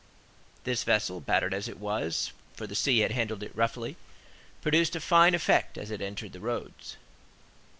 This vessel, battered as it was,—for the sea had handled it roughly,—produced a fine effect as it entered the roads.